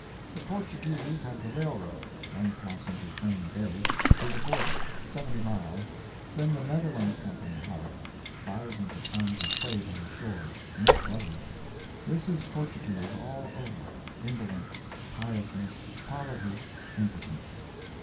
The Portuguese have the railroad (one passenger train a day) to the border 70 miles then the Netherlands Company have it. Thousands of tons of freight on the shore no cover. This is Portuguese allover indolence, piousness, poverty, impotence.